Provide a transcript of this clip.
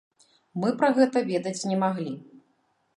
Мы пра гэта ведаць не маглі.